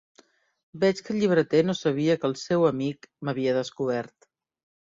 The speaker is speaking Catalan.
Veig que el llibreter no sabia que el seu amic m'havia descobert.